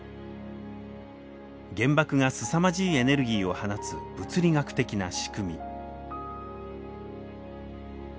原爆がすさまじいエネルギーを放つ物理学的な仕組み。